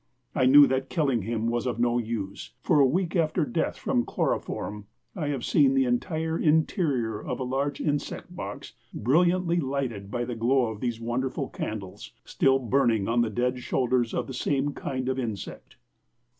I knew that killing him was of no use, for a week after death from chloroform I have seen the entire interior of a large insect box brilliantly lighted by the glow of these wonderful candles, still burning on the dead shoulders of the same kind of insect.